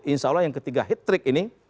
insya allah yang ketiga hat trick ini